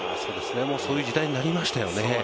もうそういう時代になりましたよね。